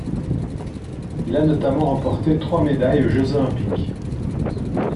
Il a notamment remporté trois médailles aux Jeux olympiques.